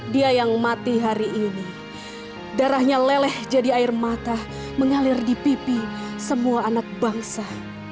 dia yang mati hari ini darahnya leleh jadi air mata mengalir di pipi semua anak bangsa